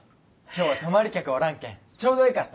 今日は泊まり客おらんけんちょうどえかった。